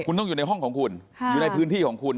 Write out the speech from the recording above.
คุณต้องอยู่ในห้องของคุณอยู่ในพื้นที่ของคุณ